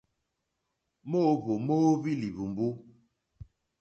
Móǒhwò móóhwì lìhwùmbú.